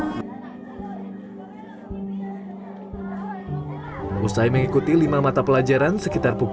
waktu princesa miljodong hari f satu